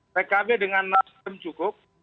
pkb dengan nasdem cukup